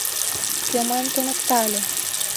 Кӧ мыйым туныкта ыле?